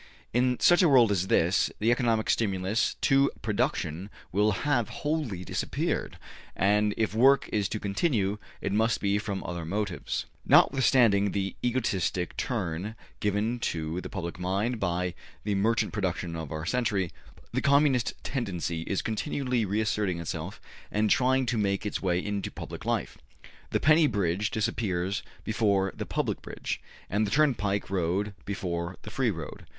In such a world as this, the economic stimulus to production will have wholly disappeared, and if work is to continue it must be from other motives. ``Notwithstanding the egotistic turn given to the public mind by the merchant production of our century, the Communist tendency is continually reasserting itself and trying to make its way into public life. The penny bridge disappears before the public bridge; and the turnpike road before the free road.